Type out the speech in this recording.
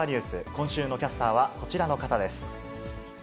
今週のキャスターは、こちらの方です。